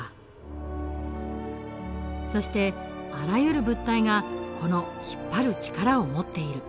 そしてあらゆる物体がこの引っ張る力を持っている。